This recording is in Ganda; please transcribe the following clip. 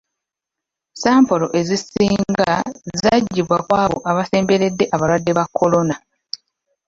Sampolo ezisinga zaggyibwa ku abo abasemberedde abalwadde ba kolona.